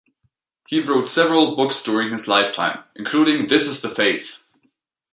He wrote several books during his lifetime, including "This is The Faith".